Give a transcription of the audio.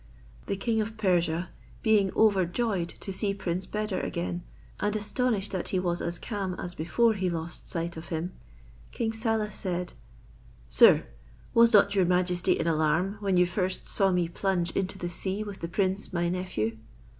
The king of Persia being overjoyed to see Prince Beder again, and astonished that he was as calm as before he lost sight of him; King Saleh said, "Sir, was not your majesty in alarm, when you first saw me plunge into the sea with the prince my nephew?"